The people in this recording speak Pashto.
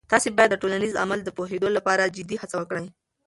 تاسې باید د ټولنیز عمل د پوهیدو لپاره جدي هڅه وکړئ.